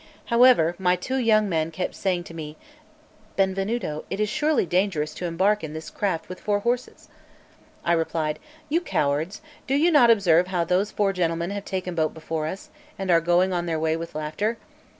However, my two young men kept saying to me: "Benvenuto, it is surely dangerous to embark in this craft with four horses." I replied: "You cowards, do you not observe how those four gentlemen have taken boat before us, and are going on their way with laughter?